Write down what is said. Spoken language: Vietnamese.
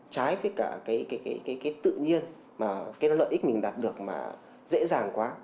trái với cả cái tự nhiên mà cái lợi ích mình đạt được mà dễ dàng quá